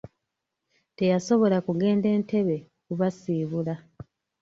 Teyasobola kugenda Entebbe kubasiibula.